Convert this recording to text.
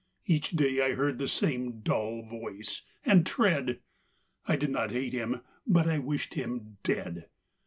Each day I heard the same dull voice and tread; I did not hate him: but I wished him dead.